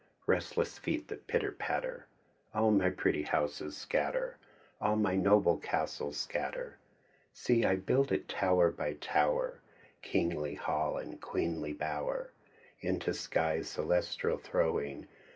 Restless feet that pitter patter. All my pretty houses scatter. All my noble castles scatter. See I build it tower by tower. Kingly hall and queenly bower. Into skies celestial throwing.